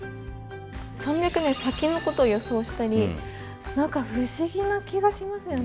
３００年先のことを予想したり何か不思議な気がしますよね。